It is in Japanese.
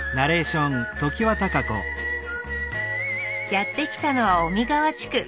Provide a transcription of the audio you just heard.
やって来たのは小見川地区。